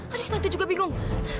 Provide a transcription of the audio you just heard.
aduh tante juga bingung